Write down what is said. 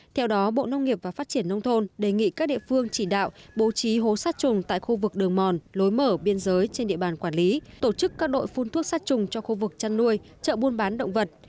theo đó bộ nông nghiệp và phát triển nông thôn đề nghị các địa phương chỉ đạo bố trí hố sát trùng tại khu vực đường mòn lối mở biên giới trên địa bàn quản lý tổ chức các đội phun thuốc sát trùng cho khu vực chăn nuôi chợ buôn bán động vật